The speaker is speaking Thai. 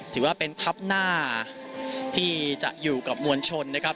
ถือว่าเป็นคับหน้าที่จะอยู่กับมวลชนนะครับ